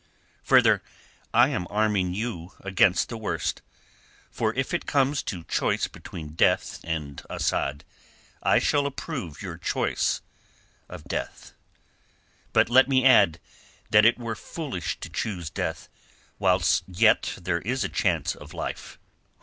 Further, I am arming you against the worst. For if it comes to choice between death and Asad, I shall approve your choice of death. But let me add that it were foolish to choose death whilst yet there is a chance of life."